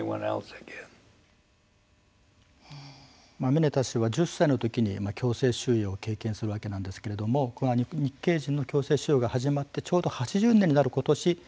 ミネタ氏は１０歳のときに強制収容を経験するわけなんですけれども日系人の強制収容が始まってちょうど８０年になることし